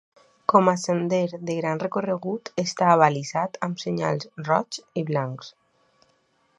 Com a sender de gran recorregut està abalisat amb senyals roigs i blancs.